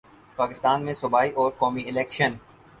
پاکستان میں صوبائی اور قومی الیکشن